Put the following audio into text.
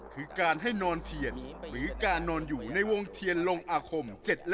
คือการให้นอนเทียนหรือการนอนอยู่ในวงเทียนลงอาคม